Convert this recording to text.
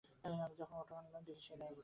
আমি যখন অটো আনলাম, দেখি সে নেই।